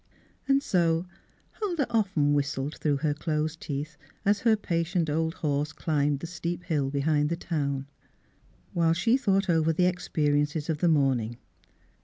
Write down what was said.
And so Huldah often whistled through her closed teeth as her patient old horse climbed the steep hill behind the town, while she thought over the experiences of the morning.